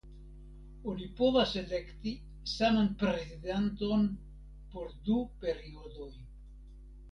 Oni povas elekti saman prezidanton por du periodoj.